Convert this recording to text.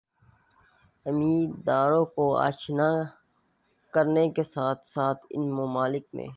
امیدواروں کو آشنا کرنے کے ساتھ ساتھ ان ممالک میں